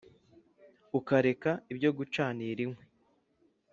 ukareka ibyo gucanira inkwi